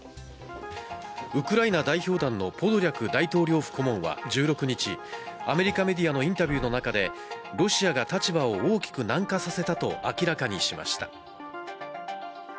ウクライナ代表団のポドリャク大統領府顧問は１６日、アメリカメディアのインタビューの中で、ロシアが立場を大きく軟化させたと明らかにしました。